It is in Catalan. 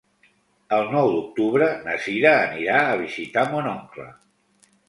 El nou d'octubre na Sira anirà a visitar mon oncle.